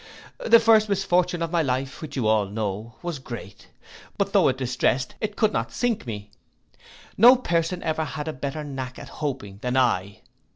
The first misfortune of my life, which you all know, was great; but tho' it distrest, it could not sink me. No person ever had a better knack at hoping than I.